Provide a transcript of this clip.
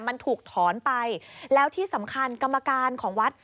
มันถูกถอนไปแล้วที่สำคัญกรรมการของวัด